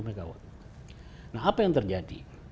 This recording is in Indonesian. megawatt nah apa yang terjadi